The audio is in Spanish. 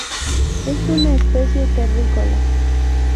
Es una especie terrícola.